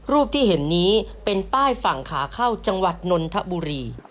รูปที่เห็นนี้เป็นป้ายฝั่งขาเข้าจังหวัดนนทบุรี